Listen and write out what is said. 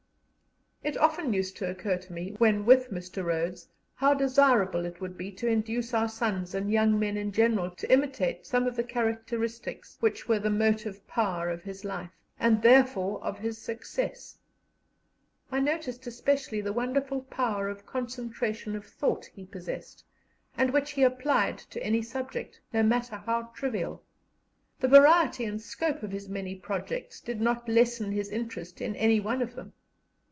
It often used to occur to me, when with Mr. Rhodes, how desirable it would be to induce our sons and young men in general to imitate some of the characteristics which were the motive power of his life, and therefore of his success. I noticed especially the wonderful power of concentration of thought he possessed, and which he applied to any subject, no matter how trivial. The variety and scope of his many projects did not lessen his interest in any one of them.